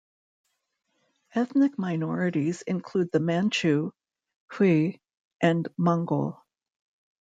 Ethnic minorities include the Manchu, Hui, and Mongol.